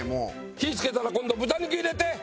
火つけたら今度豚肉入れて。